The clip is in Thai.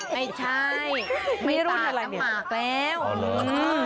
ไม่ใช่มีรุ่นอะไรแปลว